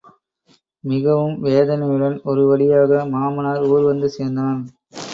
மிகவும் வேதனையுடன் ஒரு வழியாக மாமனார் ஊர் வந்து சேர்ந்தான்.